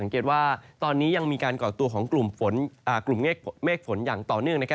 ว่าตอนนี้ยังมีการก่อตัวของกลุ่มเมฆฝนอย่างต่อเนื่อง